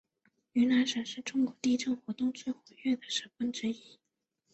云南省是中国地震活动最活跃的省份之一。